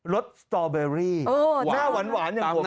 สสตอเบอรี่หน้าหวานอย่างผม